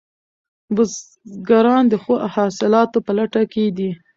بزګران د ښو حاصلاتو په لټه کې دي.